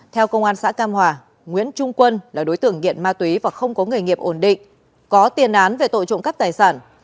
theo công an xã cam hòa nguyễn trung quân là đối tượng nghiện ma túy và không có nghề nghiệp ổn định có tiền án về tội trộm cắp tài sản